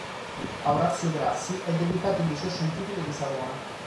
A Orazio Grassi è dedicato il Liceo Scientifico di Savona.